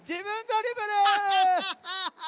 ハハハハハ！